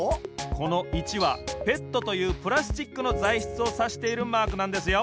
この「１」はＰＥＴというプラスチックのざいしつをさしているマークなんですよ。